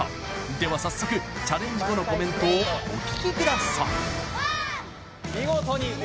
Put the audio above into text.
では早速チャレンジ後のコメントをお聞きください